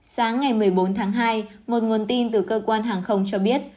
sáng ngày một mươi bốn tháng hai một nguồn tin từ cơ quan hàng không cho biết